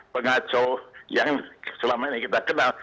pengacau yang selama ini kita kenal